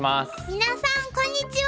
皆さんこんにちは。